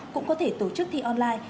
cũng có thể tổ chức thi online